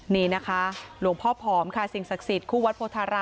นี่นะคะหลวงพ่อผอมค่ะสิ่งศักดิ์สิทธิคู่วัดโพธาราม